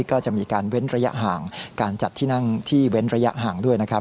ก็จะมีการเว้นระยะห่างการจัดที่นั่งที่เว้นระยะห่างด้วยนะครับ